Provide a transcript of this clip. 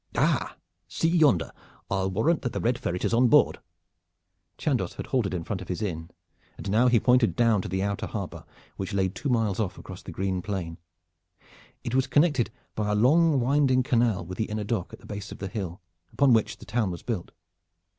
Ah, see yonder! I'll warrant that the Red Ferret is on board!" Chandos had halted in front of his inn, and now he pointed down to the outer harbor, which lay two miles off across the green plain. It was connected by a long winding canal with the inner dock at the base of the hill, upon which the town was built.